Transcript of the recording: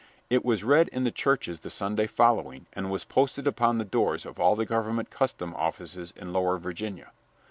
It was read in the churches the Sunday following and was posted upon the doors of all the government custom offices in lower Virginia.